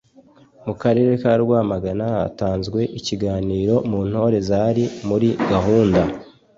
Mu Karere ka Rwamagana hatanzwe ikiganiro mu ntore zari muri gahunda